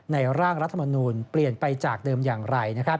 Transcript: ร่างรัฐมนูลเปลี่ยนไปจากเดิมอย่างไร